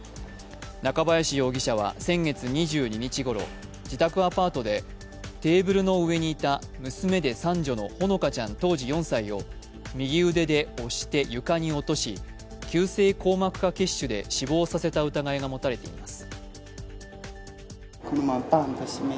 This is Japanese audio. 中林容疑者は先月２２日ごろ、自宅アパートでテーブルの上にいた娘で三女のほのかちゃん当時４歳を右腕で押して床に落とし急性硬膜下血腫で死亡させた疑いが持たれています。